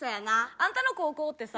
あんたの高校ってさ